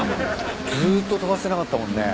ずっと飛ばしてなかったもんね。